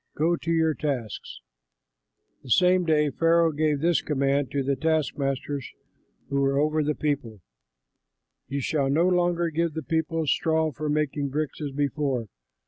Go to your tasks!" The same day Pharaoh gave this command to the taskmasters who were over the people: "You shall no longer give the people straw for making bricks as before.